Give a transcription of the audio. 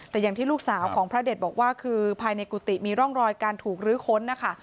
แต่อย่างที่ลูกสาวของพระเด็ดบอกว่าคือภายในกุฏิมีร่องรอยการถูกลื้อค้นนะคะ